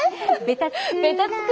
ベタつく。